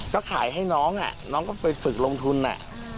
ก็ขายให้น้องอ่ะน้องน้องก็ไปฝึกลงทุนอ่ะ